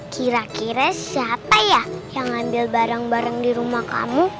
kira kira siapa ya yang ngambil barang barang di rumah kamu